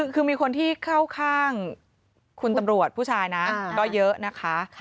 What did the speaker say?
คือมีคนที่เข้าข้างคุณตำรวจผู้ชายนะก็เยอะนะคะ